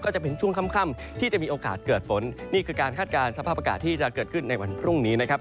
จะเป็นช่วงค่ำที่จะมีโอกาสเกิดฝนนี่คือการคาดการณ์สภาพอากาศที่จะเกิดขึ้นในวันพรุ่งนี้นะครับ